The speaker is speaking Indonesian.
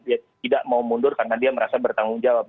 dia tidak mau mundur karena dia merasa bertanggung jawab